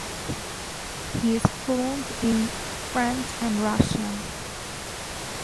He is fluent in French and Russian.